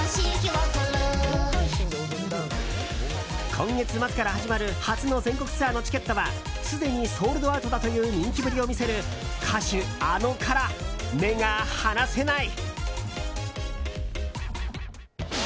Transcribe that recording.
今月末から始まる初の全国ツアーのチケットはすでにソールドアウトだという人気ぶりを見せる歌手ａｎｏから目が離せない。